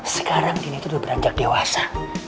sekarang dini tuh beranjak dewasa